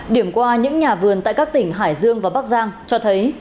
điểm qua những nhà vườn tại các tỉnh hải dương và bắc giang cho thấy